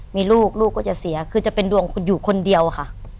มีลูกลูกก็จะเสียคือจะเป็นดวงคุณอยู่คนเดียวค่ะ